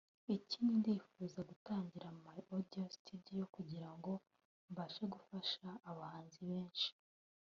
Ikindi ndifuza gutangira my audio studio kugira ngo mbashe gufasha abahanzi benshi